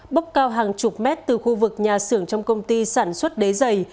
bốc cao hàng chục mét từ khu vực nhà xưởng trong công ty sản xuất đế dày